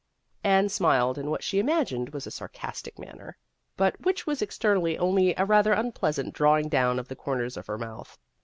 Anne smiled in what she imagined was a sarcastic manner, but which was externally only a rather unpleasant drawing down of the corners of her mouth.